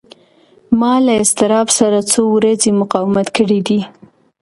ما له اضطراب سره څو ورځې مقاومت کړی دی.